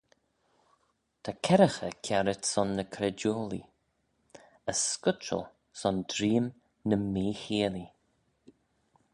Ta kerraghey kiarit son ny craidoilee as scutchal son dreeym ny mee cheeayllee.